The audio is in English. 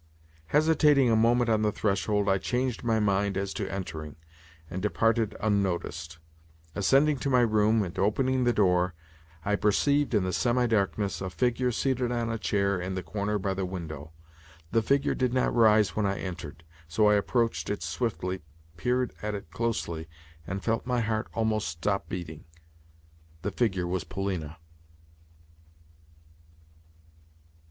Hesitating a moment on the threshold I changed my mind as to entering, and departed unnoticed. Ascending to my own room, and opening the door, I perceived in the semi darkness a figure seated on a chair in the corner by the window. The figure did not rise when I entered, so I approached it swiftly, peered at it closely, and felt my heart almost stop beating. The figure was Polina!